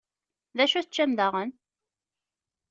D acu teččam daɣen?